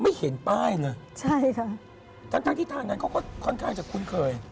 ไม่เห็นป้ายเลยทั้งที่ทางนั้นก็คล้อนคลายจากคุ้นเคย